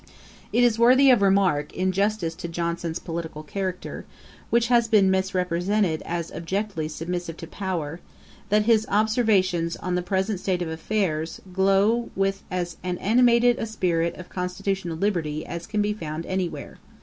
It is worthy of remark, in justice to Johnson's political character, which has been misrepresented as abjectly submissive to power, that his 'Observations on the present State of Affairs' glow with as animated a spirit of constitutional liberty as can be found any where.